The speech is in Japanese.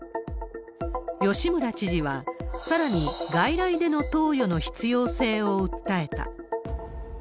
吉村知事は、さらに外来での投与の必要性を訴えた。